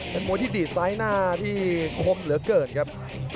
เป็นมวยที่ดีดซ้ายหน้าที่คมเหลือเกินครับ